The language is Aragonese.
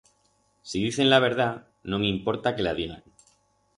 Si dicen la verdat, no m'importa que la digan.